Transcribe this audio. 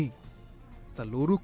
seluruh kota ini menjualnya